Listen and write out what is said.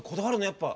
やっぱ。